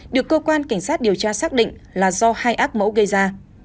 được cơ quan cảnh sát điều tra xác định là do hai ác mẫu gây ra